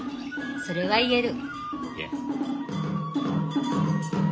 それは言える。